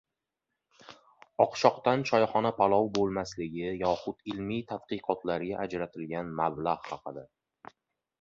Oqshoqdan choyxona palov bo‘lmasligi yoxud ilmiy tadqiqotlarga ajratiladigan mablag‘ haqida